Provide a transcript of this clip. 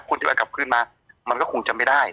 กลับขึ้นมามันก็คงจะไม่ได้